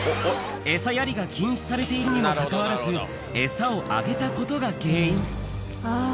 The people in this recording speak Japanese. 餌やりが禁止されているにもかかわらず、餌をあげたことが原因。